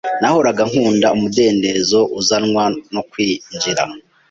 Nahoraga nkunda umudendezo uzanwa no kwinjira.